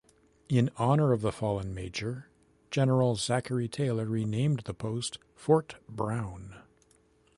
In honor of the fallen major, General Zachary Taylor renamed the post Fort Brown.